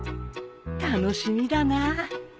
楽しみだな